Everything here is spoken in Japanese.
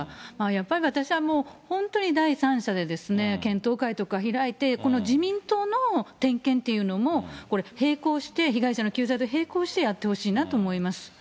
やっぱり私はもう、本当に第三者で検討会とか開いて、この自民党の点検っていうのも、並行して、被害者の救済と並行してやってほしいなと思います。